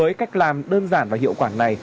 với cách làm đơn giản và hiệu quả này